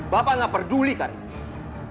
bapak gak peduli karin